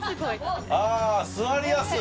ああ座りやすい。